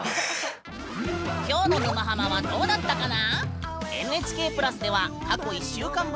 今日の「沼ハマ」はどうだったかな？